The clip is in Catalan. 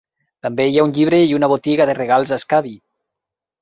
També hi ha un llibre i una botiga de regals a Scavi.